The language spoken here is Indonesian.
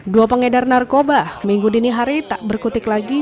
dua pengedar narkoba minggu dini hari tak berkutik lagi